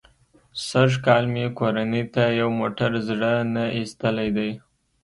سږ کال مې کورنۍ ته یو موټر زړه نه ایستلی دی.